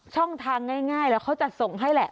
ช่องทางง่ายแล้วเขาจัดส่งให้แหละ